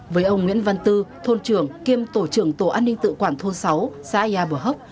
với ông nguyễn văn tư thôn trưởng kiêm tổ trưởng tổ an ninh tự quản thôn sáu xã yà bờ hốc